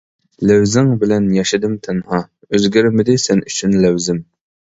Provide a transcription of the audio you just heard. لەۋزىڭ بىلەن ياشىدىم تەنھا، ئۆزگەرمىدى سەن ئۈچۈن لەۋزىم.